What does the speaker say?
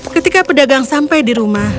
ketika pedagang sampai di rumah